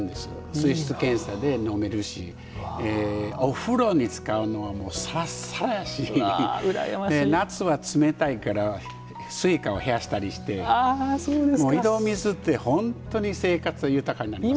水質検査で飲めるしお風呂に使うのはさらさらやし夏は冷たいからスイカを冷やしたりして井戸水って本当に生活豊かになりますよ。